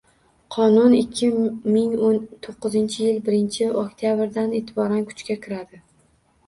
Qonun ikki ming o'n to'qqizinchi yil birinchi oktabrdan e’tiboran kuchga kiradi.